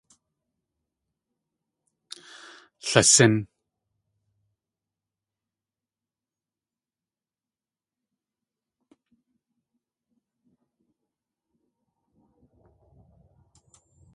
Lasín!